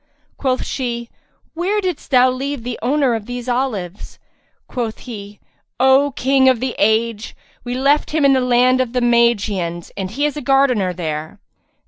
Quoth she, "Where didst thou leave the owner of these olives?" Quoth he, "O King of the age, we left him in the land of the Magians and he is a gardener there."